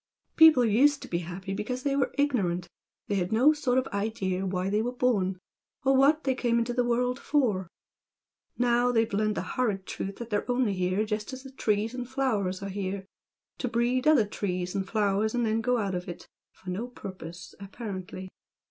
People used to be happy because they were ignorant they had no sort of idea why they were born, or what they came into the world for. Now they've learned the horrid truth that they are only here just as the trees and flowers are here to breed other trees and flowers and then go out of it for no purpose, apparently.